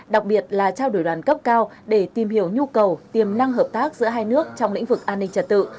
đặc biệt là trao đổi đoàn cấp cao để tìm hiểu nhu cầu tiềm năng hợp tác giữa hai nước trong lĩnh vực an ninh trật tự